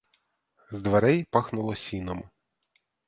З дверей пахнуло сіном.